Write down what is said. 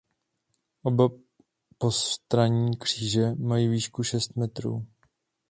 Oba postranní kříže mají výšku šest metrů.